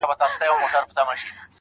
نن دي دواړي سترگي سرې په خاموشۍ كـي